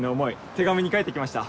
手紙に書いて来ました。